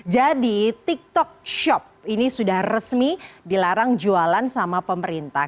jadi tiktok shop ini sudah resmi dilarang jualan sama pemerintah